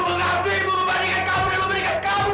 bapak pusri pak pusri